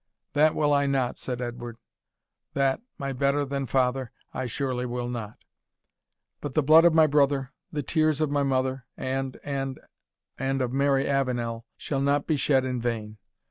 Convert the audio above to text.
"That will I not," said Edward, "that, my better than father, I surely will not. But the blood of my brother, the tears of my mother and and and of Mary Avenel, shall not be shed in vain.